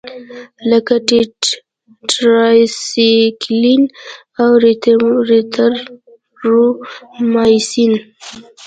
لکه ټیټرایسایکلین او اریترومایسین.